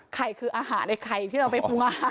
ไข่คืออาหารไอ้ไข่ที่เราไปปรุงอาหาร